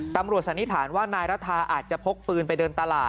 สันนิษฐานว่านายรัฐาอาจจะพกปืนไปเดินตลาด